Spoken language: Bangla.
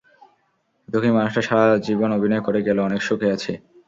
দুঃখী মানুষটা সারা জীবন অভিনয় করে গেলো— অনেক সুখে আছি।